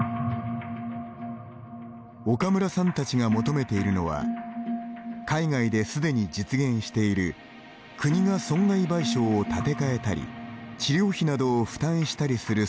岡村さんたちが求めているのは海外ですでに実現している国が損害賠償を立て替えたり治療費などを負担したりする制度です。